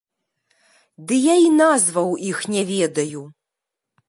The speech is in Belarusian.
Ды я і назваў іх не ведаю.